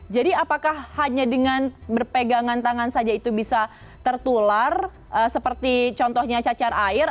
jadi apakah hanya dengan berpegangan tangan saja itu bisa tertular seperti contohnya cacar air